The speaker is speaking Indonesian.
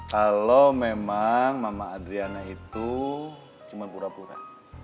kalau memang mama adriana itu cuma pura pura